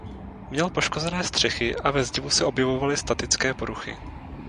Měl poškozené střechy a ve zdivu se objevovaly statické poruchy.